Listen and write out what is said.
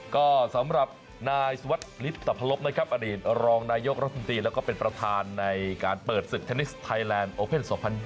ก็สำหรับนายสวัสดิ์ลิตภลบนะครับอดีตรองนายกรัฐมนตรีแล้วก็เป็นประธานในการเปิดศึกเทนนิสไทยแลนดโอเพ่น๒๐๒๐